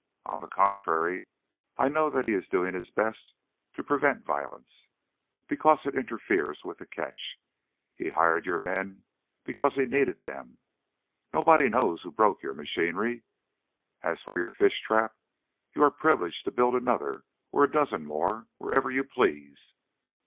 On the contrary, I know that he is doing his best to prevent violence, because it interferes with the catch. He hired your men because he needed them. Nobody knows who broke your machinery. As for your fish trap, you are privileged to build another, or a dozen more, wherever you please.